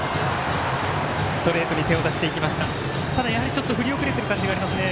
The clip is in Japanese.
ちょっと振り遅れている感じがありますね。